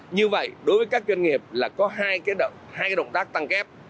như vậy đối với các doanh nghiệp là có hai động tác tăng kép